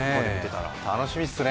楽しみっスね。